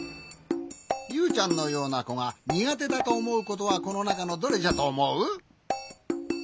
ユウちゃんのようなこがにがてだとおもうことはこのなかのどれじゃとおもう？